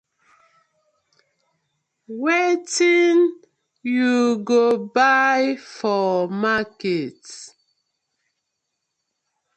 Wetin yu go bai for market.